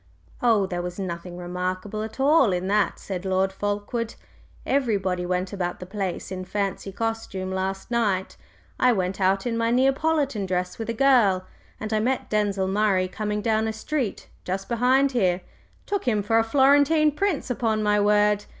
"Oh, there was nothing remarkable at all in that," said Lord Fulkeward. "Everybody went about the place in fancy costume last night. I went out in my Neapolitan dress with a girl, and I met Denzil Murray coming down a street just behind here took him for a Florentine prince, upon my word!